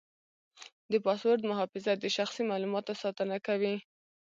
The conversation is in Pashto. د پاسورډ محافظت د شخصي معلوماتو ساتنه کوي.